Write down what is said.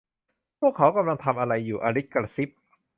'พวกเขากำลังทำอะไรอยู่' อลิซกระซิบ